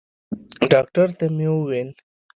ډاکتر ته مې وويل.